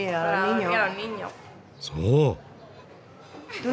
そう。